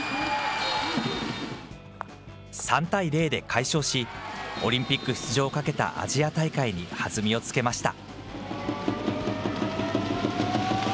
３対０で快勝し、オリンピック出場をかけたアジア大会に弾みをつけました。